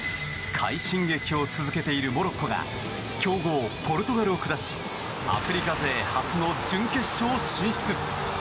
快進撃を続けているモロッコが強豪ポルトガルを下しアフリカ勢初の準決勝進出。